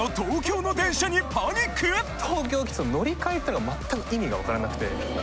このあと東京来たら乗り換えっていうのが全く意味が分からなくて。